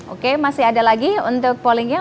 oke masih ada lagi untuk pollingnya